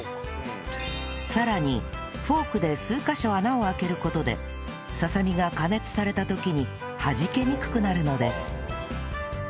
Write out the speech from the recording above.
さらにフォークで数カ所穴を開ける事でささみが加熱された時にはじけにくくなるのです